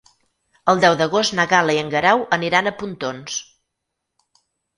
El deu d'agost na Gal·la i en Guerau aniran a Pontons.